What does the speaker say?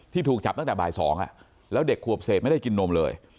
ถูกจับตั้งแต่บ่าย๒แล้วเด็กขวบเศษไม่ได้กินนมเลย